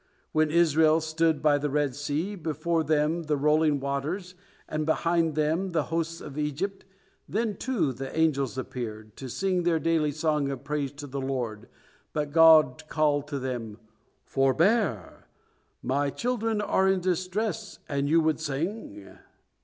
When Israel stood by the Red Sea, before them the rolling waters, and behind them the hosts of Egypt, then, too, the angels appeared, to sing their daily song of praise to the Lord, but God called to them, "Forbear! My children are in distress, and you would sing!"